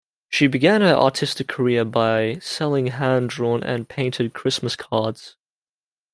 She began her artistic career by selling hand-drawn and painted Christmas cards.